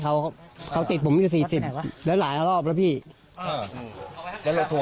เขาเขาติดผมอยู่สี่สิบแล้วหลายรอบแล้วพี่เออแล้วเราโทร